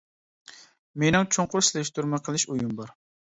مېنىڭ چوڭقۇر سېلىشتۇرما قىلىش ئويۇم بار.